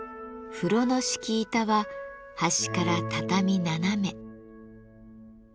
風炉の敷板は端から畳７目。